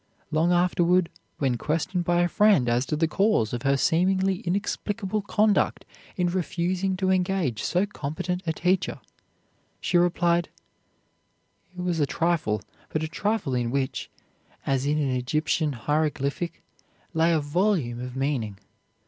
Long afterward, when questioned by a friend as to the cause of her seemingly inexplicable conduct in refusing to engage so competent a teacher, she replied: "It was a trifle, but a trifle in which, as in an Egyptian hieroglyphic, lay a volume of meaning.